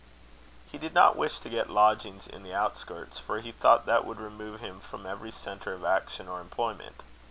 He did not wish to get lodgings in the outskirts, for he thought that would remove him from every centre of action or employment.